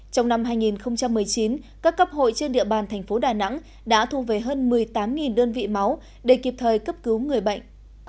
trong năm hai nghìn một mươi chín các cấp hội trên địa bàn thành phố đà nẵng đã thu về hơn một mươi tám đơn vị máu để kịp thời cấp cứu người bệnh